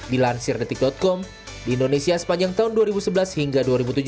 dilansir detik com di indonesia sepanjang tahun dua ribu sebelas hingga dua ribu tujuh belas